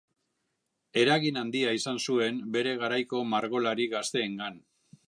Eragin handia izan zuen bere garaiko margolari gazteengan.